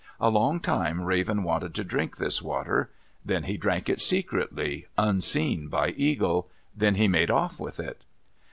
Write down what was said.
A long time Raven wanted to drink this water. Then he drank it secretly, unseen by Eagle. Then he made off with it.